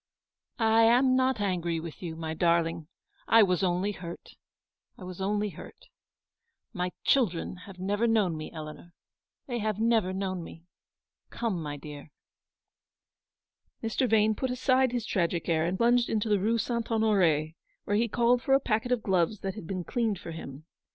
"I am not angry with you, my darling, I was only hurt, I was only hurt. My children have never known me, UPON THE THRESHOLD OF A GREAT SORROW, to Eleanor, they have never known me. Come, my dear." Mr. Vane put aside his tragic air, and plunged into the Rue St. Honore, where he called for a packet of gloves that had been cleaned for him.